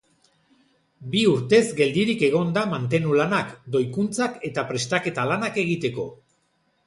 Bi urtez geldirik egon da mantenu lanak, doikuntzak eta prestaketa lanak egiteko.